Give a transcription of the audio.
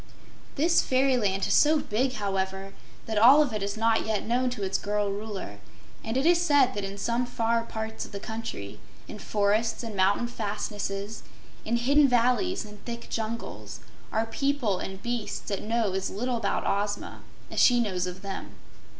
This fairyland is so big, however, that all of it is not yet known to its girl Ruler, and it is said that in some far parts of the country, in forests and mountain fastnesses, in hidden valleys and thick jungles, are people and beasts that know as little about Ozma as she knows of them.